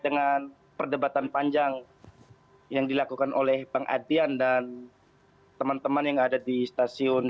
dengan perdebatan panjang yang dilakukan oleh bang adian dan teman teman yang ada di stasiun